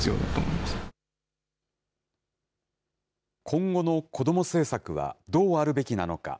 今後の子ども政策はどうあるべきなのか。